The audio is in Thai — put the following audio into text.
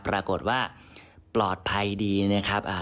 ปรากฏว่าปลอดภัยดีนะครับ